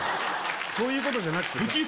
そういうことじゃなくてさ。